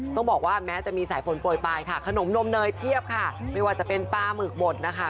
ต้องบอกว่าแม้จะมีสายฝนโปรยปลายค่ะขนมนมเนยเพียบค่ะไม่ว่าจะเป็นปลาหมึกบดนะคะ